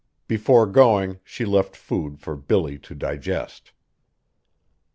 Before going she left food for Billy to digest.